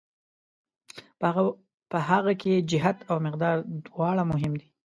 په هغه کې جهت او مقدار دواړه مهم دي.